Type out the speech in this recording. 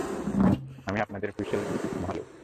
আমি আপনাদের হুইসেল মহালক্ষী!